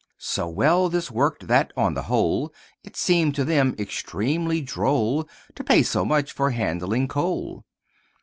So well this worked that, on the whole, It seemed to them extremely droll To pay so much for handling coal.